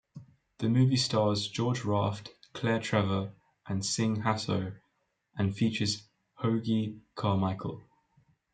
The movie stars George Raft, Claire Trevor and Signe Hasso, and features Hoagy Carmichael.